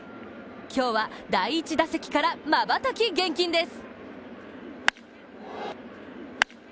今日は、第１打席からまばたき厳禁です。